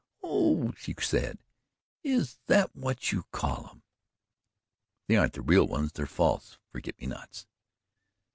"Oh," she said, "is that what you call 'em?" "They aren't the real ones they're false forget me nots."